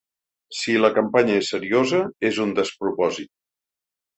Si la campanya és seriosa, és un despropòsit.